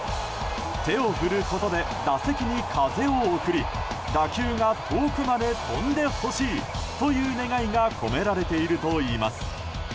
手を振ることで打席に風を送り打球が遠くまで飛んでほしいという願いが込められているといいます。